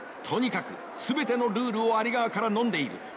とにかく全てのルールをアリ側からのんでいる。